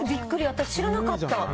私、知らなかった。